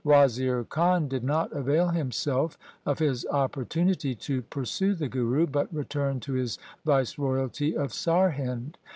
Wazir Khan did not avail him self of his opportunity to pursue the Guru, but returned to his viceroyalty of Sarhind.